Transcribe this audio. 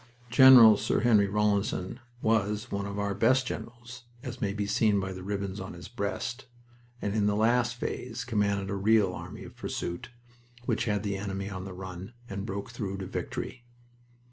Gen. Sir Henry Rawlinson was one of our best generals, as may be seen by the ribbons on his breast, and in the last phase commanded a real "Army of Pursuit," which had the enemy on the run, and broke through to Victory.